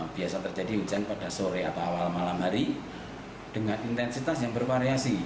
biasa terjadi hujan pada sore atau awal malam hari dengan intensitas yang bervariasi